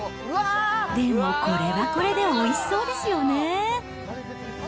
でもこれはこれで、おいしそうですよね。